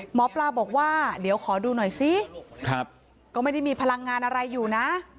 หมอปลาบอกว่าเดี๋ยวขอดูหน่อยซิก็ไม่ได้มีพลังงานอะไรอยู่นะ